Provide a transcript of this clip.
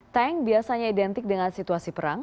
tank biasanya identik dengan situasi perang